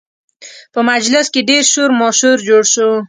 په مجلس کې ډېر شور ماشور جوړ شو